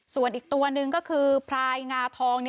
ส่วนอีกตัวหนึ่งก็คือพลายงาทอง